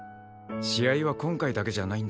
試合は今回だけじゃないんだ。